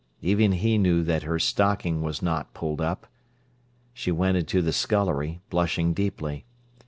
Even he knew that her stocking was not pulled up. She went into the scullery, blushing deeply.